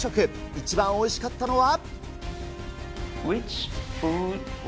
一番おいしかったのは？